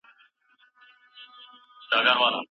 خلګ باید دا خبري جدي ونه نیسي نه، بلکي عملي کړي.